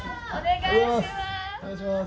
お願いします。